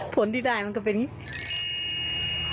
ผลที่ได้มันก็เป็นอย่างนี้